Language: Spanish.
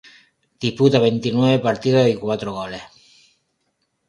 Disputa veintinueve partidos y cuatro goles.